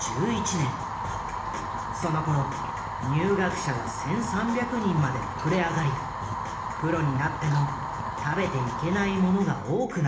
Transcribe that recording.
そのころ入学者は１，３００人まで膨れ上がりプロになっても食べていけない者が多くなっていた。